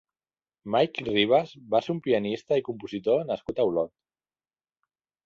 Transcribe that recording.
Mike Ribas va ser un pianista i compositor nascut a Olot.